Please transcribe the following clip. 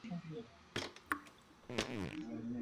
Uturuki kwenye tovuti hii Nchini Uturuki yaonesha